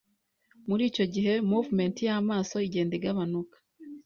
Muri icyo gihe, mouvement y’amaso igenda igabanuka